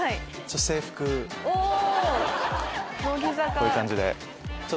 こういう感じで。